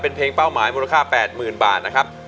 เป็นเพลงเป้าหมายมูลค่า๘๐๐๐บาทนะครับ